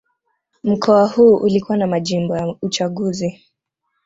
Mkoa huu ulikuwa na majimbo ya uchaguzi